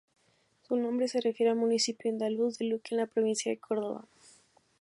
Su nombre se refiere al municipio andaluz de Luque, en la provincia de Córdoba.